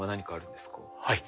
はい。